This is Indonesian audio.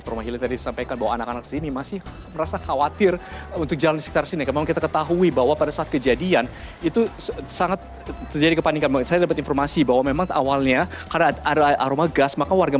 terima kasih pak deddy terima kasih banyak